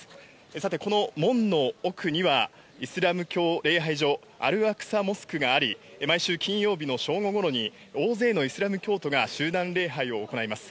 さて、この門の奥には、イスラム教礼拝所、アルアクサ・モスクがあり、毎週金曜日の正午ごろに、大勢のイスラム教徒が集団礼拝を行います。